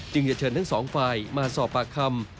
จะเชิญทั้งสองฝ่ายมาสอบปากคำ